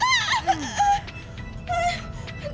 yang ituably akan serba desak forever